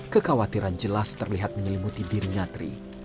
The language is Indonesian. kekhawatiran jelas terlihat menyelimuti diri ngatri